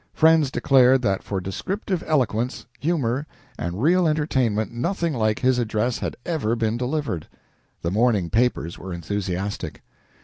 Friends declared that for descriptive eloquence, humor, and real entertainment nothing like his address had ever been delivered. The morning papers were enthusiastic.